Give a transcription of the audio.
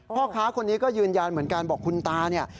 พ่อค้าคนนี้ก็ยืนยันเหมือนกันบอกคุณตาเนี่ย